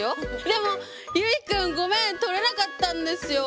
でもゆうひくんごめん撮れなかったんですよ。